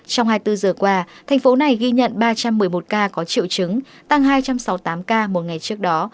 trong hai mươi bốn giờ qua thành phố này ghi nhận ba trăm một mươi một ca có triệu chứng tăng hai trăm sáu mươi tám ca một ngày trước đó